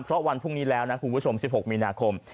เพราะวันพรุ่งนี้แล้วนะคุณผู้ชม๑๖มีนาคม